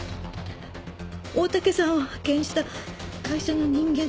大竹さんを派遣した会社の人間。